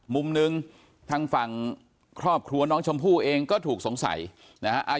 มุมหนึ่งทางฝั่งครอบครัวน้องชมพู่เองก็ถูกสงสัยนะฮะ